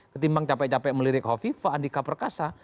ketimbang capek capek melirik hoviva andika perkasa